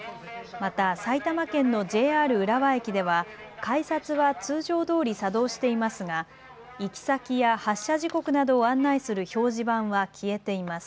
また埼玉県のＪＲ浦和駅では改札は通常どおり作動していますが行き先や発車時刻などを案内する表示板は消えています。